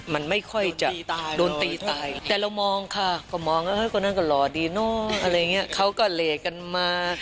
มันไม่ค่อยจะโดนตีตายแต่เรามองค่ะก็มองว่าคนนั้นก็หล่อดีเนอะอะไรอย่างเงี้ยเขาก็เหลกกันมา